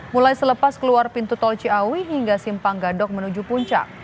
mulai selepas keluar pintu tol ciawi hingga simpang gadok menuju puncak